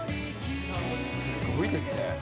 すごいですね。